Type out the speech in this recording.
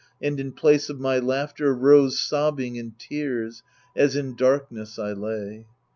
And in place of my laughter rose sobbing and tears. As in darkness I lay.